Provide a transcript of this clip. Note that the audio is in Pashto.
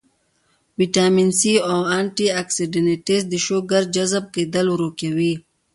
وټامن سي او انټي اکسيډنټس د شوګر جذب کېدل ورو کوي